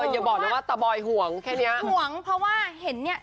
อย่าบอกนะว่าตะบอยห่วงแค่เนี้ย